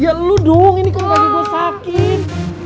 ya lu dong ini kan pake gua sakit